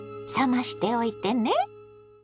冷ましておいてね。